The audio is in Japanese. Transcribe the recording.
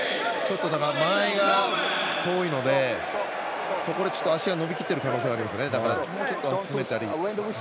間合いが遠いのでそこで足が伸びきってる可能性がありますね。